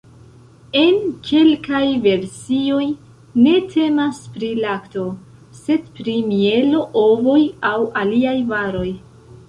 En kelkaj versioj ne temas pri lakto, sed pri mielo, ovoj aŭ aliaj varoj.